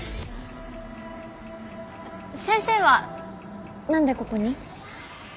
先生は何でここに？